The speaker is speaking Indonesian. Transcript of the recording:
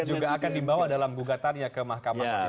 juga akan dibawa dalam gugatannya ke mahkamah